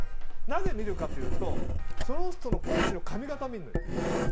なぜ見るかというとそのコーチの髪形を見るの。